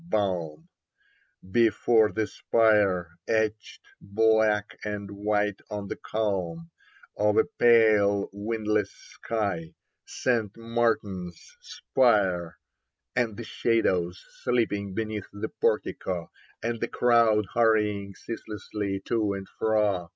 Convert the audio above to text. Soles Occidere et Redire Possunt 75 Before the spire, etched black and white on the calm Of a pale windless sky, St. Martin's spire, And the shadows sleeping beneath the portico And the crowd hurrj^ing, ceaselessly, to and fro.